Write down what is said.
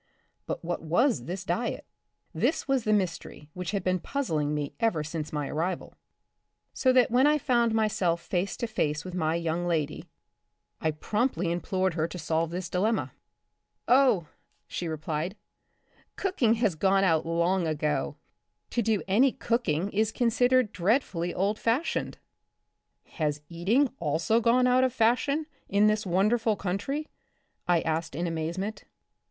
But what was this diet? This was the mystery which had been puzzling me ever since my arrival. So that v/hen I found myself face to face with my young lady, . 28 The Republic of the Future, I promptly implored her to solve my dilemma. Oh/' she replied, " cooking has gone out long ago. To do any cooking is considered dreadfully old fashioned." " Has eating also gone out of fashion in this wonderful country ?" I asked in amazement.